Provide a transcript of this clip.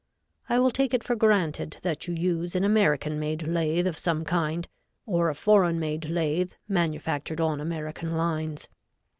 I will take it for granted that you use an American made lathe of some kind, or a foreign made lathe manufactured on American lines.